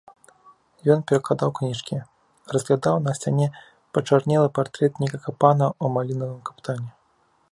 Ён перакладаў кніжкі, разглядаў на сцяне пачарнелы партрэт нейкага пана ў малінавым каптане.